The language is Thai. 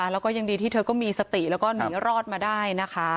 และยังดีที่เธอก็มีสติและหนีรอดมาได้